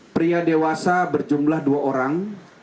pria dewasa berjumlah dua orang